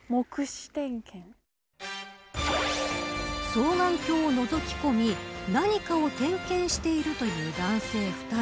双眼鏡をのぞき込み何かを点検しているという男性２人。